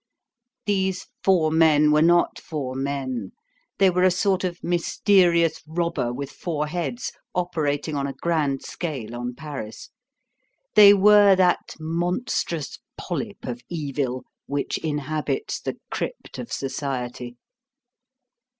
These four men were not four men; they were a sort of mysterious robber with four heads, operating on a grand scale on Paris; they were that monstrous polyp of evil, which inhabits the crypt of society.